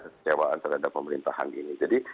kecewaan terhadap pemerintahan ini jadi